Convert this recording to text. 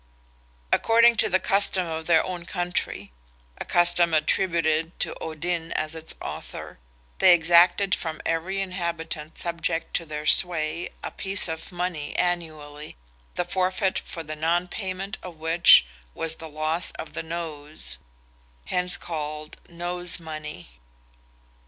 According to the custom of their own country—a custom attributed to Odin as its author—they exacted from every inhabitant subject to their sway—a piece of money annually, the forfeit for the non payment of which was the loss of the nose, hence called "nose money."